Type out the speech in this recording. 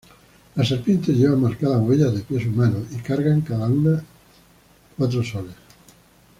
Las serpientes llevan marcadas huellas de pies humanos, y cargan cada una cuatro soles.